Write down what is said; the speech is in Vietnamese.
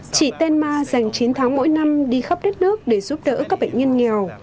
chị tenma dành chín tháng mỗi năm đi khắp đất nước để giúp đỡ các bệnh nhân nghèo